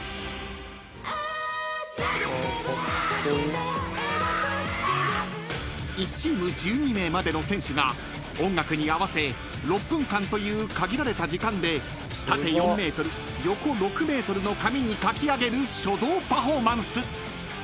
『群青』［１チーム１２名までの選手が音楽に合わせ６分間という限られた時間で縦４ｍ横６ｍの紙に書き上げる書道パフォーマンス］